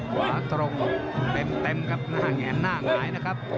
ขวาตรงเต็มครับหน้าแงนหน้าหงายนะครับ